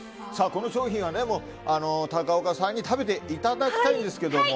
この商品はね、高岡さんに食べていただきたいんですけども。